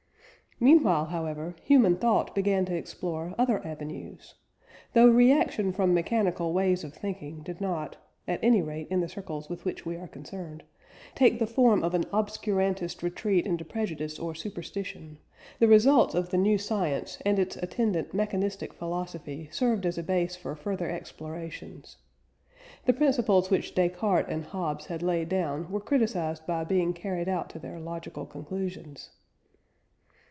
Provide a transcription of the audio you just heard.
Meanwhile, however, human thought began to explore other avenues. Though reaction from mechanical ways of thinking did not (at any rate, in the circles with which we are concerned) take the form of an obscurantist retreat into prejudice or superstition, the results of the new science and its attendant mechanistic philosophy served as a base for further explorations. The principles which Descartes and Hobbes had laid down were criticised by being carried out to their logical conclusions.